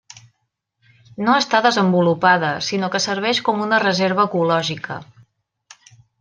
No està desenvolupada, sinó que serveix com una reserva ecològica.